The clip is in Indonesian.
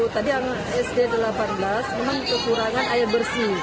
tadi yang sd delapan belas memang kekurangan air bersih